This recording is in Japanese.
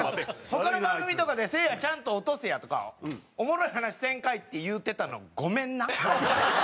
他の番組とかで「せいやちゃんと落とせや」とか「おもろい話せんかい」って言うてたのごめんな。